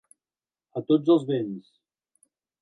A tots els vents.